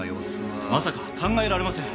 まさか考えられません。